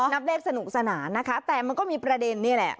นับเลขสนุกสนานนะคะแต่มันก็มีประเด็นนี่แหละ